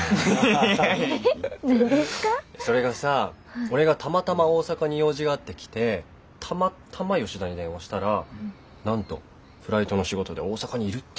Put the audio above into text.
それがさ俺がたまたま大阪に用事があって来てたまたま吉田に電話したらなんとフライトの仕事で大阪にいるっていうじゃない。